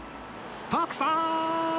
徳さーん！